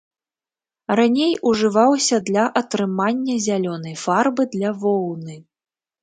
Раней ўжываўся для атрымання зялёнай фарбы для воўны.